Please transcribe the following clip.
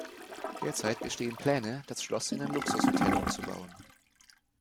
Derzeit bestehen Pläne, das Schloss in ein Luxus-Hotel umzubauen.